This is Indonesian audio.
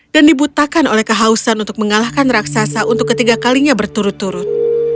dan dibutakan oleh kehausan untuk mengalahkan raksasa untuk ketiga kalinya berturut turut